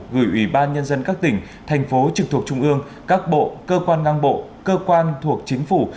gửi ủy ban nhân dân các tỉnh thành phố trực thuộc trung ương các bộ cơ quan ngang bộ cơ quan thuộc chính phủ